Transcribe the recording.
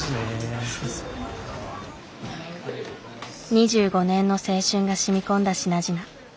２５年の青春がしみこんだ品々。